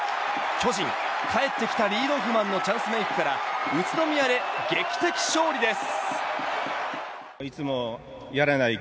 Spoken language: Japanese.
巨人、帰ってきたリードオフマンのチャンスメイクから宇都宮で劇的勝利です。